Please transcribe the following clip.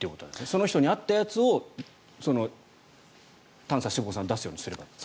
その人に合ったやつを短鎖脂肪酸が出すようにすればいいと。